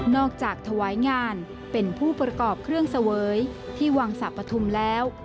จากถวายงานเป็นผู้ประกอบเครื่องเสวยที่วังสะปฐุมแล้ว